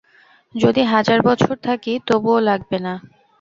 যদি হাজার বছর থাকি তবুও লাগবে না।